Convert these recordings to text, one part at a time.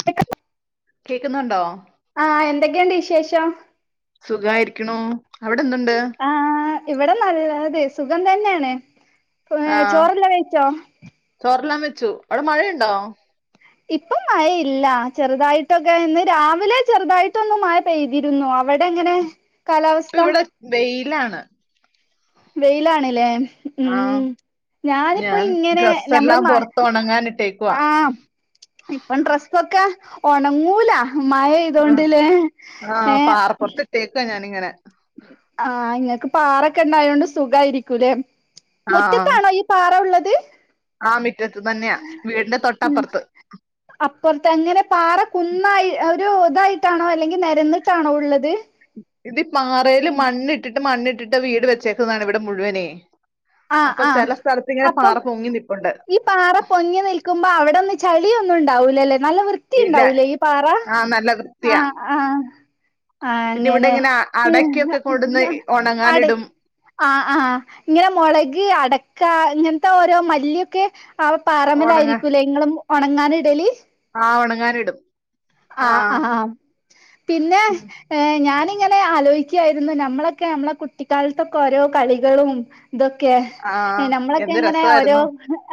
[unintelligible] കേൾക്കുന്നുണ്ടോ? ആഹ് എന്തക്കെയൊണ്ട് വിശേഷം? സുഖായിരിക്ക്ണു അവിടെഎന്തൊണ്ട്? ആഹ് ഇവിടെ നല്ലത് സുഖം തന്നെയാണ് ആ ചോറെല്ലാ കഴിച്ചോ? ചോറെല്ലാം വെച്ചു അവിടെ മഴയൊണ്ടോ? ഇപ്പ മഴ ഇല്ല ചെറുതായിട്ടൊക്കെ ഇന്ന് രാവിലെ ചെറുതായിട്ടൊന്ന് മഴ പെയ്തിരുന്നു അവിടെ എങ്ങനെ കാലാവസ്ഥ? വെയ്ലാണ്. വെയ്ലാണ്ലേ? ആ ഉം ഞാനിപ്പ ഞാൻ ഇങ്ങനെ ഞമ്മള് ഡ്രസ്സെല്ലാം മ പുറത്ത് ഉണങ്ങാൻ ഇട്ടേക്കുവാ ആഹ് ഇപ്പം ഡ്രസൊക്കെ ഒണങ്ങൂല മഴ ആ, യ്തോണ്ട്ലേ ഏഹ് തേക്കാ ഞാനിങ്ങനെ ആഹ് ഇങ്ങക്ക് പാറക്കെണ്ടായൊണ്ട് സുഖാരിക്കൂലേ മുറ്റത്താണോ ഈ പാറ ഉള്ളത്? ആഹ് മിറ്റത്ത് തന്നെയാ വീടിന്റെ തൊട്ടപ്പർത്ത്. അപ്പർത്ത അങ്ങനെ പാറ കുന്നായി ഒരു ഇതായിട്ടാണോ അല്ലെങ്കി നെരന്നിട്ടാണോ ഉള്ളത്? ഇത് പാറേല് മണ്ണിട്ടിട്ട് മണ്ണിട്ടിട്ട് വീട് വെച്ചേക്കുന്നതാണ് ഇവ്ടെ മുഴുവനേ ആഹ് അപ്പ ആഹ് ചെലസ്ഥലത്ത് ഇങ്ങനെ അപ്പം പാറ പൊങ്ങി നിപ്പുണ്ട്. ഈ പാറ പൊങ്ങി നിൽക്കുമ്പോ അവിടെന്ന് ചളിയൊന്നും ണ്ടാവൂലലെ നല്ല വൃ ത്തി ഇല്ല ണ്ടാവൂലേ ഈ പാറ ആ നല്ല വൃത്തിയാ ആഹ് ആഹ് ആഹ് പിന്നെ ഇവിടെ അങ്ങനെ ഇങ്ങനെ അ- അടയ്ക്കൊക്കെ കൊണ്ടുവന്ന് അടെ ഉണങ്ങാനിടും ആഹ് ആഹ് ഇങ്ങനെ മൊളക് അടക്ക ഇങ്ങൻത്തോരോ മല്ലിയൊക്കെ ആ ഉണങ്ങാൻ പാറമ്മലായിരിക്കൂലേ ഇങ്ങള് ഒണങ്ങാനിടല് ആഹ് ഒണങ്ങാനിടും ആഹ് ആഹ് പിന്നെ ഉം ഏഹ് ഞാനിങ്ങനെ ആലോയിക്ക്യായിരുന്നു നമ്മളൊക്കെ നമ്മളെ കുട്ടിക്കാലത്തൊക്കെ ഓരോ കളികളും തൊക്കെ ആഹ് എ നമ്മളൊക്കെ എന്ത് ങ്ങനെ ഓരോ രസായിരുന്നു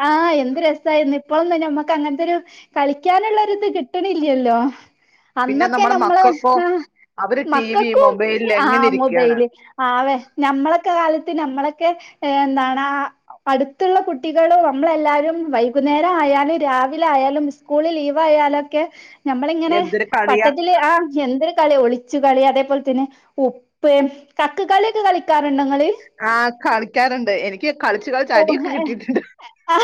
ആഹ് എന്ത് രസായിരുന്നു ഇപ്പളൊന്നും ഞമ്മക്ക് അങ്ങനത്തെരു കളിക്യാനുള്ള ഒരുത് കിട്ട് ണില്ല്യല്ലോ പിന്നെ അന്നൊക്കെ നമ്മടെ നമ്മള്ഹ് മക്കൾക്കോ അഹ് അവര് ടി വി മക്കക്കും മൊബൈലിൽ എങ്ങനെ ആഹ് ഇരിക്കാണ് മുബൈയില് ആവെ ഞമ്മളെക്കെ കാലത്ത് ഞമ്മളൊക്കെ ഏ എന്താണാ പ്പട്ത്തുള്ള കുട്ടികളും അമ്മളെല്ലാരും വൈകുന്നേരായാലും രാവിലെ ആയാലും സ്കൂള് ലീവായാലൊക്കെ ഞമ്മളിങ്ങനെ എന്തൊരു കളിയാ പട്ടത്തില് ആഹ് എന്തൊര് കള്യ ഒളിച്ച് കളി അതേപോലെ തന്നെ ഉപ്പ്, കക്ക്‌ കളിയൊക്കെ കളി ക്കാറ്ണ്ടോ ങ്ങള് ആഹ് കളിക്യാറ്ണ്ട് എനിക്ക് കളിച്ചു ഓ കളിച്ചടിയൊക്കെ കിട്ടീട്ട്ണ്ട് ആ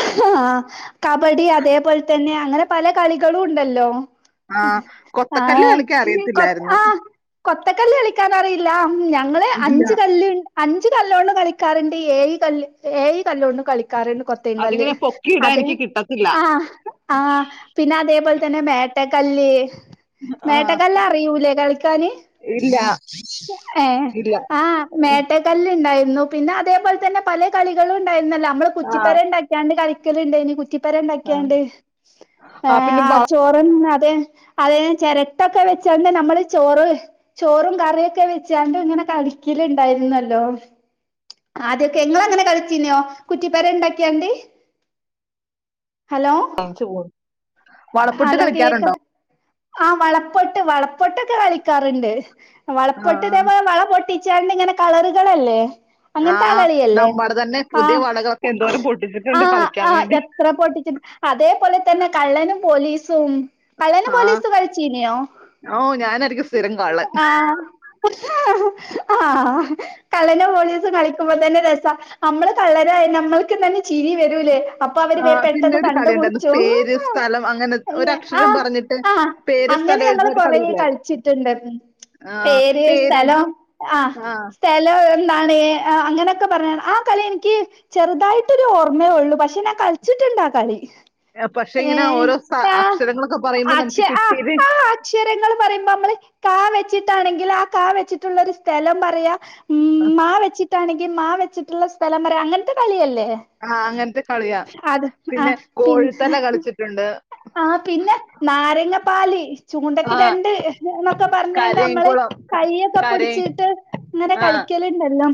കബഡി അതേപോൽതെന്നെ അങ്ങനെ പല കളികളുണ്ടല്ലോ ആഹ് കൊത്തക്കല്ല് ആഹ് കളിക്കാൻ ഇനി കൊത് അറിയത്തില്ലായിരുന്നു ആഹ് കൊത്തക്കല്ല് കളിക്കാനറിയില്ല. ഉം ഞങ്ങള് ഇല്ല അഞ്ച് കല്ല് അഞ്ച് കല്ലോണ്ടും കളിക്കാറുണ്ട്. ഏഴ് കല്ല് ഏഴ് കല്ലോണ്ടും കളിക്കാറ്ണ്ട് കൊത്തീങ്കല്ല് അതിങ്ങനെ പൊക്കിയിടാൻ അതെ എനിക്ക് കിട്ടത്തില്ല ആഹ് ആഹ് പിന്നതേപോലെ തന്നെ മേട്ടക്കല്ല്., ആഹ് മേട്ടക്കല്ലറിയൂലേ കളിക്കാന് ഇല്ല ഏഹ് ഇല്ല ആഹ് മേട്ട ക്ക്ല്ല്ണ്ടായിരുന്നു. പിന്നെ അതേപോലെ തന്നെ പലേ കളികളുംണ്ടായിരുന്നല്ലോ അമ്മള് കുച്ചിപ്പര ആഹ് ണ്ടാക്കി ക്യാണ്ട് കളിക്കല്ണ്ടായ്നി. കുറ്റിപ്പെര ആഹ് ണ്ടാക്കിയാണ്ട്, ഏഹ് പിന്നെ ആഹ് വള- ചോറ അതെ ചെരട്ടൊക്കെ വെച്ചാണ്ട് നമ്മള് ചോറ് ചോറും കറിയൊക്കെ വെച്ചാണ്ട്ങ്ങനെ കളിക്കല് ഇണ്ടായിരുന്നല്ലോ ആദ്യൊക്കെ ങ്ങളങ്ങനെ കളിച്ചീന്യോ കുറ്റി പ്പെര ഇണ്ടാക്കിയാണ്ട് ഹലോ ഞാൻ ചോ വളപ്പൊട്ട് കളിക്യാറുണ്ടോ ആഹ് വളപ്പൊട്ട് വളപൊട്ടൊക്കെ കളിക്കാറ്ണ്ട്, വളപൊട്ട് ആഹ് തേപോലെ വളപൊ ട്ടിച്ചാണ്ട് ങ്ങനെ കളറുകളല്ലേ അങ്ങൻത്താ ആഹ് കളിയല്ലേ നമ്മടെ തന്നെ പുതിയ ആഹ് വളകളൊക്കെ എന്തോരം പൊട്ടിച്ചിട്ടുണ്ട് ആഹ് കളിക്കാൻ ആഹ് വേണ്ടി എ പ്രാ പൊട്ടിച്ചിട്ട് അതേപോലെത്തന്നെ കള്ളനും പോലീസും. കള്ളനും ആ പോലീസും കളിച്ചീനിയോ ഓ ഞാനായിരിക്കും സ്ഥിരം കള്ളൻ. [inaudible] ആ കള്ളനും പോലീസും കളിക്കുമ്പോ തന്നെ രസാ. നമ്മള് കള്ളനായ നമ്മൾക്ക് തന്നെ ചിരി വരൂലേ. അപ്പ അവര് ആ വേ പിന്നെ പെട്ടെന്ന് ഒരു കണ്ട് കളി ഉണ്ടായിരുന്നു പുട്ച്ചു. പേര് സ്ഥലം അങ്ങനെ അയ് ആ ഒരക്ഷരം പറഞ്ഞിട്ട് അ പേര് അങ്ങനെ സ്ഥലം ഞങ്ങള് എഴുതുന്ന ഒരു കൊറേ കളിയില്ലായിരുന്നു കളിച്ചിട്ട്ണ്ട്. പേര്, സ്ഥലോം ആഹ് ആ സ്ഥലോം ന്നാണ് അ അങ്ങനൊക്കെ പറഞ്ഞ ആ കളിയെനിക്ക് ചെറുതായിട്ടൊര് ഓർമ്മേ ഒള്ളൂ. പക്ഷെ ഞാൻ കളിച്ചിട്ട് ആ കളി. പക്ഷെ ഏ ഇങ്ങനെ ഓരോ സ ആ അക്ഷരങ്ങളൊക്കെ പ അക്ഷ ആ ആ അക്ഷരങ്ങൾ പറയുമ്പോ അമ്മള് കാ വെച്ചിട്ടാണെങ്കിൽ ആ കാ വെച്ചിട്ടുള്ള ഒരു സ്ഥലം പറയാ മ് [unintelligible] മാ വെച്ചിട്ടാണെങ്കി മാ വെച്ചിട്ട്ള്ള സ്ഥലം പറയാ അങ്ങനത്തെ കളി അല്ലേ? ആ അങ്ങനത്തെ കളിയാ അത് ആ പിന്നെ പി കോഴിത്തല കളിച്ചിട്ടുണ്ട് ആ പിന്നെ ന അരങ്ങപ്പാലി. ചൂണ്ടക്ക് ആ രണ്ട് ഹ് എന്നൊക്കെ പറഞ്ഞലേ അമ്മള്. കരയംകുളം ക- കൈയ്യൊക്കെ കരയും പിടിച്ചിട്ട് ഇങ്ങനെ ആ കളിക്കല്ണ്ടല്ലോ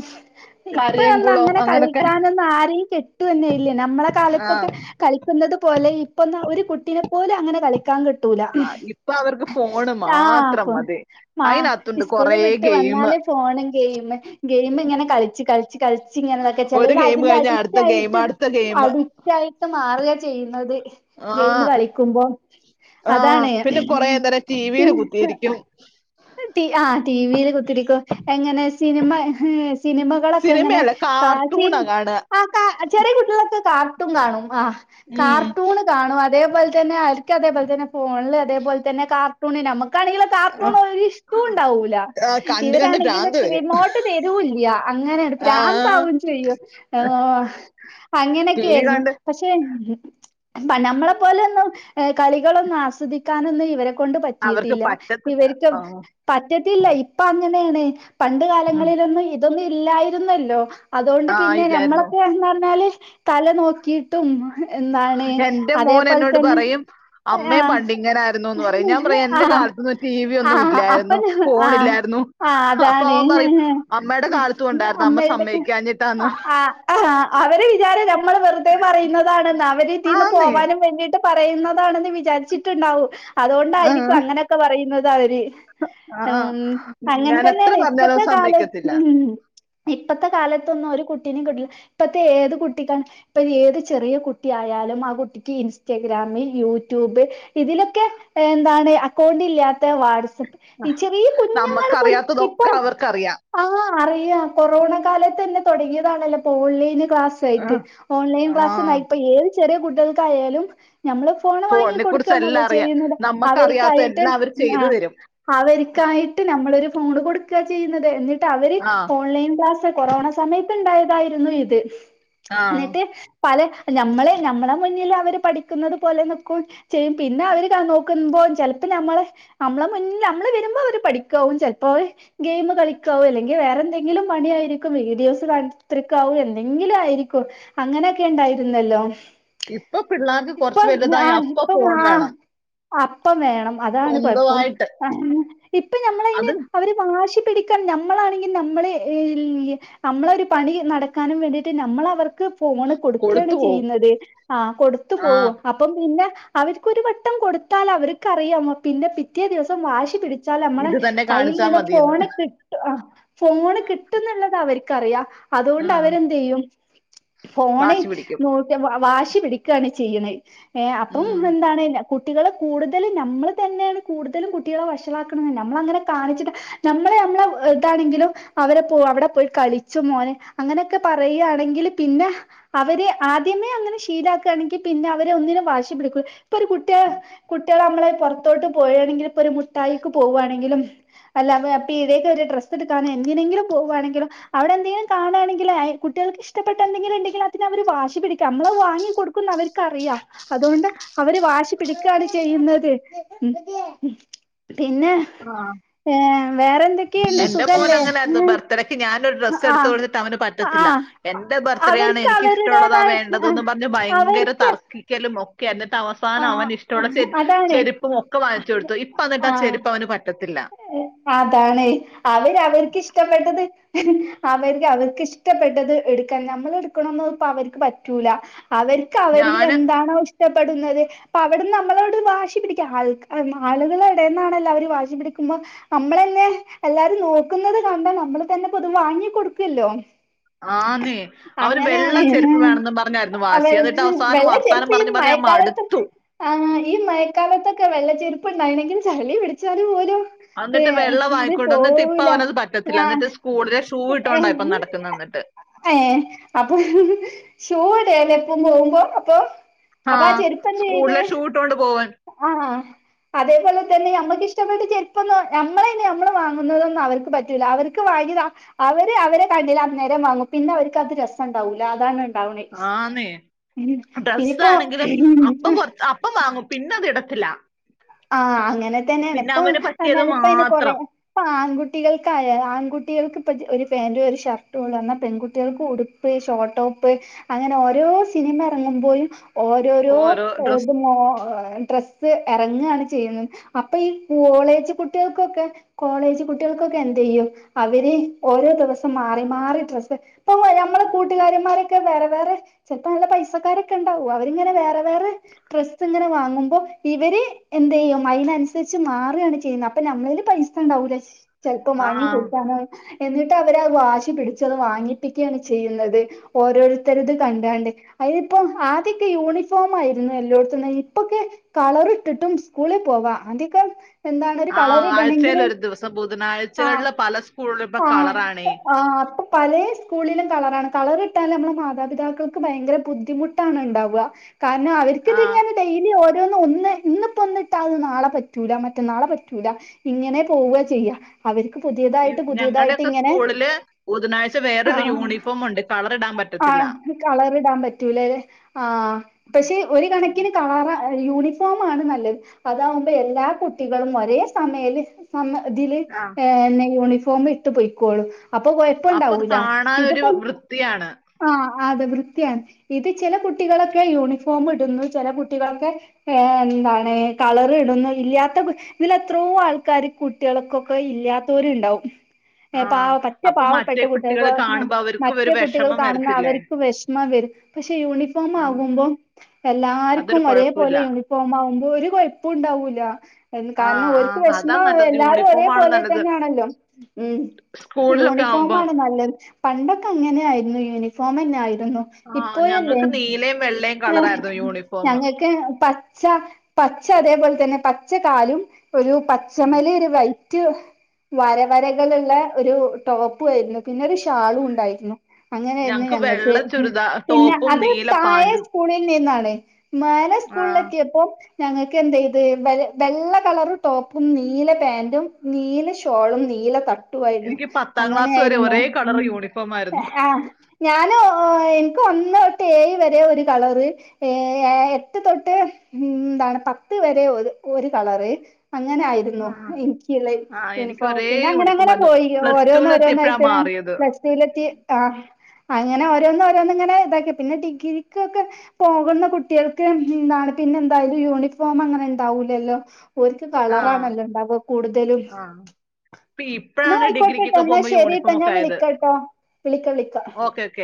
ഇപ്പഴൊന്നു കരയംകുളം അങ്ങനെ അങ്ങനൊക്കെ കളിക്കാനൊന്നു ആരേം കിട്ടുവൊന്നില്ല ഞമ്മടെ ആ കാലത്തൊക്കെ കളിക്കുന്നത് പോലെ ഇപ്പൊന്ന ഒരു കുട്ടിനെ പോലു അങ്ങനെ കളിക്കാൻ കിട്ട് ട്ടുല ആ, ഇപ്പൊ അവർക്ക് ഫോണ് ആഹ് മാത്രം ഇപോ മതി അ അതിനകത്തുണ്ട് കൊറേ ഇസ്കൂള് വിട്ട് ഗെയിം വന്നാല് ഫോണ് ഗെയിം. ഗെയിം ഇങ്ങനെ കളിച്ച് കളിച്ച് കളി ച്ചിങ്ങനതൊക്കെ. ഒരു ചെലര് ഗെയിം അതിന്റെ കഴിഞ്ഞ അടുത്ത ഗെയിം അടിക്റ്റായിട്ട് അടുത്ത ഗെയിം അടിക്റ്റായിട്ട് മാറുക ചെയ്യുന്നത്. ആ ഗെയിം കളിക്കുമ്പോ ആഹ് അതാണ് കൊറേ പിന്നെ നേരം ടിവിയില് കുത്തിയിരിക്കും [unintelligible] ആ ടി വിൽ കുത്തിരിക്കോ. എങ്ങനെ സിനിമ ഹേ സിനിമകളൊക്കെ എങ്ങനെ സിനിമയല്ല കായ്ച്ചി കാർട്ടൂണാ കാണുക ചെറിയ കുട്ടികളൊക്കെ കാർട്ടൂൺ കാണും. ആ ഉം കാർട്ടൂണ് കാണും അതേപോലെതന്നെ ഇക്ക അതേപോലെ തന്നെ ഫോണില്. അതേപലെ തന്നെ കാർട്ടുണിനമ്പോ കളികളൊ കാർട്ടൂൺ ആഹ് ഒരു ഇഷ്ട്ടോ ഉണ്ടാവൂല. കണ്ട് കണ്ട് ഇവരാണെങ്കില് ഭ്രാന്ത് വരും റിമോട്ട് തരൂല്യ അങ്ങനെ ആഹ് ഭ്രാന്താവും ചെയ്യും. ടി വി അങ്ങനൊക്കൊയിരുന്നു കണ്ട് പക്ഷെ നമ്മളെ പോലെ ഒന്നും കളികളൊന്നും ആസ്വദിക്കാനൊന്നും ഇവരെ കൊണ്ട് അവർക്ക് പറ്റിയിട്ടില്ല പറ്റത്തില്ല ഇവര്ക്ക് ആഹ് പറ്റത്തില്ല ഇപ്പൊ അങ്ങനാണ്. പണ്ട് ഉം കാലങ്ങളിലൊന്നും ഇതൊന്നും ഇല്ലായിരുന്നല്ലോ. അതൊണ്ട് ആഹ് പിന്നെ ഇല്ലായിരുന്നു ഞമ്മളൊക്കെ എന്ന് പറഞ്ഞാല് തല നോക്കി ട്ടും എന്റെ മോൻ അതേപോലെ എന്നോട് തന്നെ പറയും ആ അമ്മയും പണ്ട് ഇങ്ങനായിരുന്നുന്ന് പറയും ഞാൻ പറയും എന്റെ കാലത്തൊന്നും ടി വി ആ ഒന്നും അപ്പ ഇല്ലായിരുന്നു ഞാ ഫോണില്ലായിരുന്നു ആ അപ്പൊ അതാണെ. അവൻ പറയും അമ്മയുടെ കാലത്തും ഉണ്ടായിരുന്നു അമ്മ അമ്മേടെ എടുക്ക്‌ സമ്മതിക്കാഞ്ഞിട്ടാന്ന് ആ ആ അവര് വിചാരം നമ്മള് വെറുതെ പറയുന്നതാണന്ന അവരിതിന്ന് ആന്നേ പോവാനും വേണ്ടിട്ട് പറയുന്ന എന്താണെന്ന് വിചാരിച്ചിട്ടുണ്ടാവും അതുകൊണ്ടായിരിക്കും ആഹ് അങ്ങനെയൊക്കെ പറയുന്നത് അവര്. ആഹ് മ്മ് ഞാൻ എത്ര അങ്ങനെതന്നാണ് പറഞ്ഞാലും ഇപ്പത്തെ അവൻ കാല സമ്മതിക്കത്തില്ല മ് ഇപ്പത്തെ കാലത്തൊന്നും ഒരു കുട്ടിനേം കി ഇപ്പത്തെ ഏത് കുട്ടിക്കാണ് ഇപ്പൊ ഏത് ചെറിയ കുട്ടിയായാലും ആ കുട്ടിക്ക് ഇൻസ്റ്റഗ്രാമിൽ യൂട്യൂബ് ഇതിലൊക്കെ എന്താണ് അക്കൗണ്ട് ഇല്ലാത്ത വാട്സാപ്പ് ഈ ചെറിയ കുഞ്ഞുങ്ങൾ പോലും നമ്മക്കറിയാത്തതൊക്കെ ഇപ്പം അവർക്കറിയാം ആഹ് അറിയ കൊറോണ കാലത്ത് തന്നെ തുടങ്ങിയതാണല്ലോ ഓൺലൈ ക്ലാസായിട് ആഹ് ഓൺലൈൻ ക്ലാസ് ആഹ് എന്നഏത് ചെറിയ കുട്ടികൾക്കായാലും നമ്മൾ ഫോൺ വാങ്ങി ഫോണിനെ കുറിച്ച് എല്ലാം കൊടുക്കണല്ലോ അറിയാം ചെയ്യുന്നത് നമ്മക്കറിയാത്ത അവർക്കായിട്ട് എല്ലാം അവര് ചെയ്തു ആ തരും അവർക്കായിട്ട് നമ്മളൊരു ഫോൺ കൊടുക്ക ചെയ്യുന്നത് എന്നിട്ട് അവര് ആഹ് ഓൺലൈൻ ക്ലാസ്സ് കൊറോണ സമയത്ത്ണ്ടായതായിരുന്നു ഇത് ആഹ് ന്നിട്ട് പല നമ്മളെ നമ്മളെ മുന്നിൽ അവര് പഠിക്കന്നത് പോലെ നിക്കും ചെയ്യും പിന്നെ അവര് നോക്കുമ്പോം ചിലപ്പോ നമ്മള നമ്മളെ മുന്നില്നമ്മള് വരുമ്പോ അവര് പഠിക്കാവും ചെലപ്പോ വര ഗെയിമ് കളിക്കാവോ അല്ലെങ്കിൽ വേറെ എന്തെങ്കിലും പണിയായിരിക്കും വീഡിയോസ് കാണ്ടത്തിരിക്കാവോ എന്തെങ്കിലും ആയിരിക്കും. അങ്ങനൊക്കെണ്ടായിരുന്നല്ലോ? ഇപ്പൊ പിള്ളേർക്ക് കുറച്ച് വലുതായ അപ്പൊ ഇപ്പം ഫോൺ ആ വേണം. അപ്പം വേണം അതാണ് കുഴപ്പം സ്വന്തമായിട്ട് ഇപ്പൊ ഞമ്മളയ്ന് അതും അവര് വാശി പിടിക്കാൻ നമ്മളാണെങ്കിൽ നമ്മളെ ഏ നമ്മളൊരു പണി നടക്കാനും വേണ്ടിട്ട് നമ്മള വർക്ക് ഫോണ് കൊടുക്കണ് കൊടുത്തു പോകും ചെയ്യുന്നത് ആ കൊടുത്തു പോവ ആഹ് അപ്പം പിന്നെ അവർക്കൊരു വട്ടം കൊടുത്താൽ അവർക്ക്റിയാ പിന്നെ പിറ്റേ ദിവസം വാശി പിടി ച്ചാൽ നമ്മളെ ഇത് തന്നെ കയ്യിൽ കാണിച്ചാ നിന്ന് മതിയെന്ന് ഫോണ് കി ആ ഫോണ് കിട്ടുന്നുള്ളത് അവർക്ക്റിയ അതുകൊണ്ട് ഉം അവരെന്ത്യ്യും? ഫോണെ വാശി പിടിക്കും നോക്കി വാശി പിടിക്കാണ് ചെയ്യണത് ഏ ഉം അപ്പം എന്താണ്? കുട്ടികളെ കൂടുതലും നമ്മള് തന്നെയാണ് കൂടുതലും കുട്ടികളെ വഷളാക്കണ നമ്മള ങ്ങനെ കാണിച്ചിട്ട നമ്മളെ നമ്മളെ ഇതാണെങ്കിലും അവരെ പോ അവിടെ പോയി കളിച്ചൊ മോനെ അങ്ങനെയൊക്കെ പറയാണെങ്കിൽ പിന്നെ അവരെ ആദ്യമേ അങ്ങനെ ശീലാക്കണെങ്കിൽ പിന്നെ അവര് ഒന്നിനും വാശി പിടിക്ക ഇപോ കുട്ടി കുട്ടികൾ നമ്മളെ പുറത്തോട്ട് പോയാണെങ്കിൽ ഒരു മുട്ടായിക്ക് പോവാണെങ്കിലും അല്ലാതെ ആ പീടിയേകേറി ഡ്രസ് എടുക്കാനൊ എന്തിനെങ്കിലും പോവാണെങ്കിലും അവിടെ എന്തെങ്കില കാണാണെങ്കിൽ കുട്ടികൾക്ക് ഇഷ്ടപ്പെട്ട എന്തെങ്കിലും ഉണ്ടെങ്കിൽ അതിനവര് വാശി പിടിക്കാ നമ്മള് വാങ്ങി കൊടുക്കുന്ന്അവര് ക്കറിയ അതുകൊണ്ട് അവര് വാശി പിടിക്കാണ് ചെയ്യുന്നത്. പിന്നെ ആഹ് ഏഹ് വേറെന്തൊക്കെയുണ്ട് എന്റെറെ മോന സുഖല്ലേ ഉം ങ്ങനെയാർന്നുബർത്തഡക്ക് ഞാനൊരു ഡ്രസ്സ് എടുത്ത് ആഹ് കൊടുത്തിട്ട് അവന് പറ്റത്തില്ല ആഹ് എൻന്റെ ബർത്ത്ഡേ ആണ് അവർക്ക് എനിക്ക്ിഷ്ടമുള്ളതാ അവരുടേതായ വേണ്ടതന്ന് പറഞ്ഞ് ഭയങ്കര അവർക്ക് തർക്കിക്കലും ക്കെയായിരുന്നു എന്നി് ട്ട് അവസാനം അവൻ ആഹ് ഇഷ്ടമുള്ള ചരി ചെ അതാണ് രിപ്പും ഒക്കെ വാങ്ങിച്ചുടുത്തു ഇപ്പ ന്നിട്ട് ആചെരുപ്പ് അവന് പറ്റത്തില്ല അതാ ണെയ് അവര് അവർക്ക് ഇഷ്ടപ്പെട്ടത് അവർ അവർക്ക് ഇഷ്ടപ്പെട്ടത് എടുക്കാൻ നമ്മൾ എടുക്കണംന്ന് ഇപ്പ അവർക്ക് പറ്റൂല അവർക്ക് അവർ ഞാന് എന്താണോ ഇഷ് ഇഷ്ടപ്പെടുന്നത് അപ്പ അവിടുന്ന് നമ്മളോട് വാശി പിടിക്കുക ആ ആളുകൾ ഇടടെന്നാണെല്ലൊ അവരും വാശി പിടി ക്കുമ്പോ നമ്മളന്നെ എല്ലാരും നോക്കുന്നത് കണ്ടാ നമ്മള് തന്നെ പ്പൊ അത് വാങ്ങി കൊടുക്കല്ലോ ആന്നേ അവന് അങ്ങനെയാണ് വെള്ള ചെരിപ്പ് വേണംന്ന് പറഞ്ഞായിരുന്നു അവ വാശി എന്നിട്ട് അവസാനം വർത്താനം പറഞ്ഞ് പറഞ്ഞ് ഞാൻ മട് ത്തു ആ ഈ മഴക്കാലത്തൊക്കെ വെള്ള ചെരുപ്പ് ഉണ്ടായിനെങ്കിൽ ചളി പിടിച്ചാല് പോലും ഏ എന്നിട്ട് വെള്ള അത് വാങ്ങിക്കൊണ്ട് വന്നു. എന്നിട്ട് ഇപ്പൊ പോവുല അവനത് പറ്റത്തില്ല ഞാൻ എന്നിട്ട് സ്കൂളിലെ ഷൂ ഏ ഇട്ടോണ്ടാ ഇപ്പൊ നടക്കുന്നത് എന്നിട്ട് ഏ അപ്പൊ ഷൂ ഇടല്ലേ ഇപ്പപോകുമ്പോ അപ്പൊ അപ്പോ ആ ചെരുപ്പെന്ത്ചെയ്ത് സ്കൂളിലെ ഷൂ ഇട്ടോണ്ട് പോവാൻ ആഹ് ആഹ് അതേപോലെ തന്നെ നമ്മക്ക് ഇഷ്ടപ്പെട്ട ചെര് [unintelligible] നമ്മളെന്നെ നമ്മള് വാങ്ങുന്നതൊന്നും അവർക്ക് പറ്റൂല്ല അവർക്ക് വാങ്ങിയത അവര് അവരെ കണ്ടില്ല അന്നേരം വാങ്ങും പിന്നെ അവർക്ക് അത് രസം ഉണ്ടാവൂല അതാണ്. ഉണ്ടാവണേ ആന്നേ ഉം ഇനിയിപ്പോ ഡ്രസ്സാണെങ്കിലും അപ്പം കൊ അപ്പം വാങ്ങും. പിന്നത് ഇടത്തില്ല ആഹ് അങ്ങനെ തന്നെയാണ് പിന്നെ ഇപ്പം അവന് പറ്റിയത് എന്നാല് പ്പം അയിന് കൊറേ മാത്രം ഇപ്പ ആൺകുട്ടികൾക്കായ ആൺകുട്ടികൾക്ക് ഇപ്പജ് ഒരു പാൻ്റ് ഒരു ഷർട്ടോ ഉള്ളൂ. എന്നാ പെൺകുട്ടികൾക്ക് ഉടു ഫ്രീ ഷോട്ടോപ്പ് അങ്ങനെ ഓരോ സിനിമ എറങ്ങുമ്പോഴും ഓരോരോ ഓരോ ഡ്രസ്സ് ഇത് മോ ഹേ ഡ്ര സ്സ് എറങ്ങാണ് ചെയ്യുന്ന അപ്പ ഈ കോളേജ് കുട്ടികൾക്കൊക്കെ കോളേജ് കുട്ടികൾക്കൊക്കെ എന്ത് യ്യും അവര് ഓരോ ദിവസം മാറി മാറി ഡ്രസ്സ് [unintelligible] നമ്മളെ കൂട്ടുകാരന്മാരൊക്കെ വേറെ വേറെ ചെൽപ്പം നല്ല പൈസക്കാരൊക്കെ ഉണ്ടാവൂ അവര്ങ്ങനെ വേറെ വേറെ ഡ്രസ്സ് ഇങ്ങനെ വാങ്ങുമ്പോ ഇവര് എന്തയ്യും അയിനൻസര്ച്ച് മാറാണ് ചെയ്യുന്നേ അപ്പ നമ്മളേല് പൈസ ഉണ്ടാവൂല. ചെൽപ്പം ആ വാങ്ങി കൊടുക്കാഞ്ഞാൽ എന്നിട്ട് അവരഹ് വാശി പിടിച്ചത് വാങ്ങിപ്പിക്കുകയാണ് ചെയ്യുന്നത്. ഓരോരുത്തര്ത് കണ്ടാണ്ട് അയിന് ഇപ്പം ആദ്യക്കെ യൂണിഫോം ആയിരുന്നു. എല്ലോട്ത്ത്ന്ന ഇപ്പൊക്കെ കളർ ഇട്ടിട്ടും സ്കൂളിൽ പോവാ അതിക്കം എന്താണ് ഒരു ആ കളർ ആഴ്ചയിൽ ഇടണെങ്കില് ഒരു ദിവസം ആഹ് ബുധനാഴ്ചകളില് പല സ്കൂളിലും ഇപ്പൊ ആഹ് കളറാണേ ആഹ് പലേ സ്കൂളിലും കളറാണ് കളർ ഇട്ടാൽ നമ്മളെ മാതാപിതാക്കൾക്ക് ഭയങ്കര ബുദ്ധിമുട്ടാണ് ഇണ്ടാവ. കാരണം ആ അവർക്ക്ത് ഇങ്ങനെ ഡെയിലി ഓരോന്ന് ഒന്ന് ഇന്ന്പ്പം ഒന്ന്ട്ടാ അത് നാളെ പറ്റൂല മറ്റന്നാളെ പറ്റൂല ഇങ്ങനെ പോവ ചെയ്യാ. അവർക്ക് ഈ പുതിയതായിട്ട് പുതിയതായിട്ട് ഞങ്ങളുടെയൊക്കെ ഇങ്ങനെ സ്കൂളില് ബുധനാഴ്ച വേറൊരു ആഹ് യൂണിഫോം ഉണ്ട് കളർ ഇടാൻ പറ്റത്തില്ല ആഹ് കളറ്ടാൻ പറ്റൂലലേ ആഹ് പക്ഷെ ഒര് കണക്കിന് കാവ യൂണി ഫോം നല്ലത് അതാവുമ്പേ എല്ലാ കുട്ടികളും ഒരേ സമയല് ഒന്ന് ഇതില് ആ ഏഹ് ന്നെ യൂണിഫോം ഇട്ട് പൊയ്ക്കോളും. അപ്പൊ കൊഴപ്പം അപ്പൊ അത് ഇണ്ടാവൂല കാണാൻ ഒരു ഇത്പ്പം വൃത്തിയാണ് ആഹ് അതെ വൃത്തിയാണ് ഇത് ചെല കുട്ടികളൊക്കെ യൂണിഫോം ഇടുന്നു ചെല കുട്ടികളൊക്കെ ഏഹ് എന്താണ് കളർ ഇടുന്നു ഇല്ലാത്ത കു ഇതിലെത്രോ ആൾക്കാര് കുട്ട്യള്ക്കൊക്കെ ഇല്ലാത്തോര് ഇണ്ടാവും. ആ ഏഹ് പാവ പറ്റേ അപ്പൊ പാവപ്പെട്ട മറ്റേ കുട്ടികൾ കുട്ട്യൾക്ക് ന്നാ കാണുമ്പോ അവർക്കും ഒരു മറ്റേ കുട്ടികൾ വിഷമം കാണുന്ന വരത്തില്ലേ അവർക്ക് വെഷമം വരും. പക്ഷെ ആ യൂണിഫോമാകുമ്പം എല്ലാർക്കും അതൊരു ഒരേപോലെ കുഴപ്പമില്ല യൂണി ഫോമാവുമ്പോ ഒരു കൊഴപ്പുണ്ടാവൂല. എൻ ആ കാരണം ആ ഓര്ക്ക് അതാ വെഷ്മാവേ നല്ലത് എല്ലാരും യൂണിഫോം ആണ് ഒരേപോലെ നല്ലത് തന്നാണല്ലോ ഉം. സ്കൂളിലൊക്കെ ആവുമ്പം യൂണിഫോമാണ് നല്ലേ പണ്ടൊക്കെ അങ്ങനെയായിരുന്നു യൂണിഫോമെന്നായിരുന്നു. ആ ഇപ്പോഴല്ലേ ഞങ്ങക്ക് നീലയും വെള്ളയും ആഹ് കളറായിരുന്നു യൂണിഫോം ഞങ്ങക്ക് പ ച്ച പച്ച അതേപോലെ തന്നെ പച്ച കാലും ഒരു ഉം. പച്ചമല് ഒരു വൈറ്റ് വരവരകളുള്ള ഒരു ടോപ്പു ആയിരുന്നു പിന്നെ ഒരു ഷാളുണ്ടായിരുന്നു. അങ്ങനായിരുന്നു ഞങ്ങക്ക് വെള്ള ചുരിദാ പിന്നെ ടോപ്പും അത് നീല താഴെ പാന്റും സ്കൂളി നിന്നാണ് മാലെ ആ സ്കൂൾ എത്തിയപ്പം ഞങ്ങക്കെന്തെയ്ത് വെ വെള്ള കളർ ടോപ്പും നീല പാന്റും നീല ശ ട്ടോളും നീല തട്ടുവായിരുന്നു. എനിക്ക് പത്താം ക്ലാസ് വരെ അങ്ങനെയായിരുന്നോ? ഒരേ ഉം കളർ യൂണിഫോം ആയിരുന്നു എഹ് ആഹ് ഞാൻ ഓഹ് ഇൻക്ക് ഒന്നൊട്ട് ഏഴ് വരെ ഒരു കളറ്. ഏഹ്എ എട്ട് തൊട്ട്. അ്ന്താണ് പത്ത് വരെ ഒത് ഒരു കളറ് അങ്ങനായി. ന്നു ആ എനക്ക്ള്ളെ ആ, എനിക്ക് യൂണിഫോം ഒരേ പിന്നെ യൂണിഫോം അങ്ങനങ്ങനെ ആയിരുന്നു പോയി പ്ലസ് ടുവിൽ എത്തിയപ്പോഴാ ഓരോന്നോരോന്നായിട്ട് മാറിയത് പ്ല ലെത്തി ആഹ് അങ്ങനെ ഓരോന്ന് രോന്നിങ്ങനെ ഇതാക്കി. പിന്നെ ഡിഗ്രിക്കൊക്കെ പോകുന്ന കുട്ടികൾക്ക് എന്താണ് പിന്നെ എന്താ യൂണിഫോമങ്ങനെ ഉണ്ടാവൂലല്ലോ? ഓല്ക്ക് ആ കളറാണല്ലോണ്ടാവ കൂടുതലും. ആ ഇപ്പൊ ഇപ്പോഴാണ് ഇന്നായിക്കോട്ടട്ടോ ഡിഗ്രിക്കൊക്കെ ഇന്നാ പോകുമ്പോ ശരീട്ടാ യൂണിഫോം ഞാൻ ഒക്കെ ആയത് വിളിക്കാട്ടോ വിളിക്ക വിളിക്ക. Okay okay